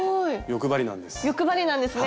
欲張りなんです。